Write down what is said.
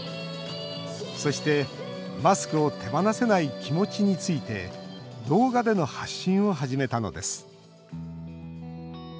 そして、マスクを手放せない気持ちについて動画での発信を始めたのです。